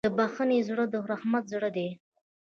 د بښنې زړه د رحمت زړه دی.